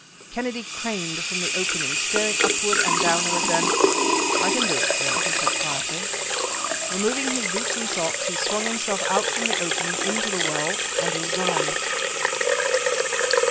Kennedy craned from the opening, staring upward and downward; then "I can do it, sir," he said quietly. Removing his boots and socks, he swung himself out from the opening into the well and was gone.